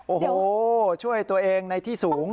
โอ้โหช่วยตัวเองในที่สูง